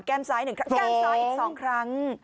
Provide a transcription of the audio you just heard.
แก้มซ้ายหนึ่งครั้งสองครั้ง